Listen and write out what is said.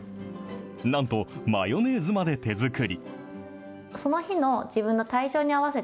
なんと、マヨネーズまで手作り。